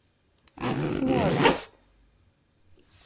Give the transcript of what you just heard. Smuorduot.